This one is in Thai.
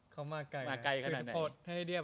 เขามาไกลขนาดนี้